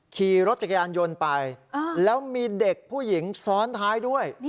ขี่รถจักรยานยนต์ไปแล้วมีเด็กผู้หญิงซ้อนท้ายด้วย